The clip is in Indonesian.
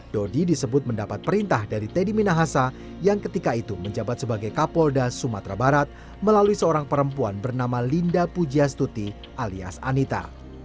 dodi disebut mendapat perintah dari teddy minahasa yang ketika itu menjabat sebagai kapolda sumatera barat melalui seorang perempuan bernama linda pujastuti alias anita